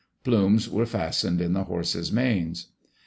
Plumes were fastened in the horses* manes.